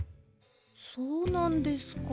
そうなんですか。